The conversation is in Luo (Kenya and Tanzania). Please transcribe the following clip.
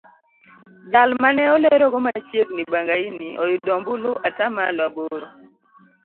Jal mane olerogo machiegni Bangaini oyudo ombulu atamalo aboro.